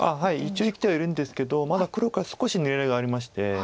一応生きてはいるんですけどまだ黒から少し狙いがありまして。